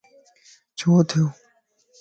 ڇو ٿيو؟